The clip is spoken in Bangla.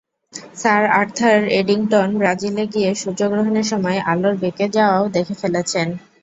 স্যার আর্থার এডিংটন ব্রাজিলে গিয়ে সূর্যগ্রহণের সময় আলোর বেঁকে যাওয়াও দেখে ফেলেছেন।